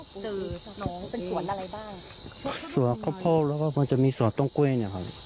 น้องเป็นสวนอะไรบ้างสวนเขาพบแล้วก็มันจะมีสวนต้องเก้น